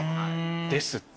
ですって。